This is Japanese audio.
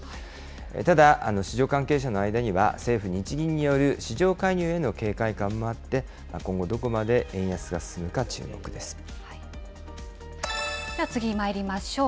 ただ、市場関係者の間には、政府・日銀による市場介入への警戒感もあって、今後どこまで円安が進次まいりましょう。